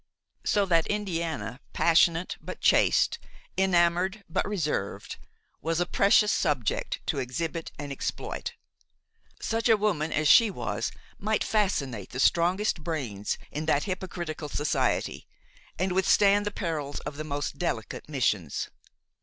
So that Indiana, passionate but chaste, enamored but reserved, was a precious subject to exhibit and exploit; such a woman as she was might fascinate the strongest brains in that hypocritical society and withstand the perils of the most delicate missions.